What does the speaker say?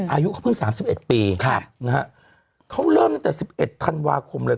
อายุเขาเพิ่ง๓๑ปีเขาเริ่มตั้งแต่๑๑ธันวาคมเลย